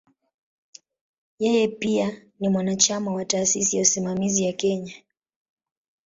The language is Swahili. Yeye pia ni mwanachama wa "Taasisi ya Usimamizi ya Kenya".